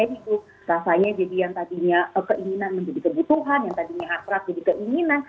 rasanya jadi yang tadinya keinginan menjadi kebutuhan yang tadinya hasrat menjadi keinginan